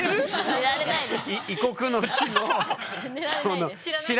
寝られないです。